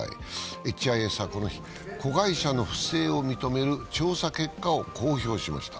エイチ・アイ・エスはこの日、子会社の不正を認める調査結果を公表しました。